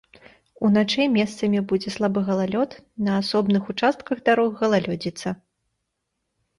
Уначы месцамі будзе слабы галалёд, на асобных участках дарог галалёдзіца.